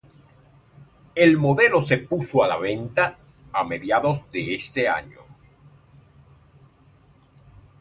El modelo se puso a la venta a mediados de ese año.